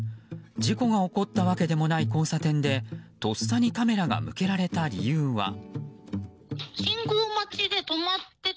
事故が起こったわけでもない交差点でとっさにカメラが向けられた理由は。